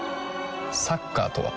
サッカーとは？